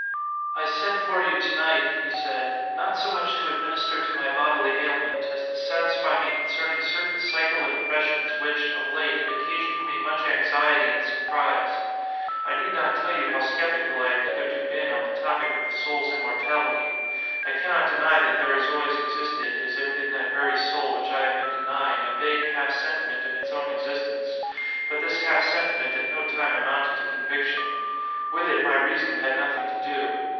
"I sent for you to night," he said, "not so much to administer to my bodily ailment, as to satisfy me concerning certain psychal impressions which, of late, have occasioned me much anxiety and surprise. I need not tell you how sceptical I have hitherto been on the topic of the soul's immortality. I cannot deny that there has always existed, as if in that very soul which I have been denying, a vague half sentiment of its own existence. But this half sentiment at no time amounted to conviction. With it my reason had nothing to do.